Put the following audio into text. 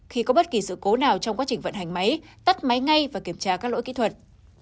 khi có bất kỳ sự cố nào trong quá trình vận hành máy tắt máy ngay và kiểm tra các lỗi kỹ thuật